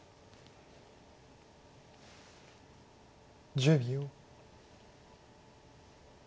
１０秒。